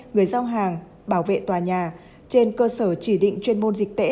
người giao hàng bảo vệ tòa nhà trên cơ sở chỉ định chuyên môn dịch tễ